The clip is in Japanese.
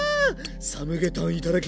サムゲタンいただきます。